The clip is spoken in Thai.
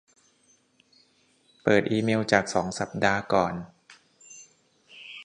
เปิดอีเมลจากสองสัปดาห์ก่อน